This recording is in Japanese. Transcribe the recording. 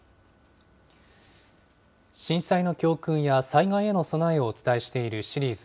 震災の教訓や災害への備えをお伝えしているシリーズ。